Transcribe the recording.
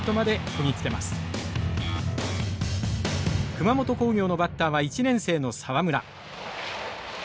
熊本工業のバッターは１年生の沢村。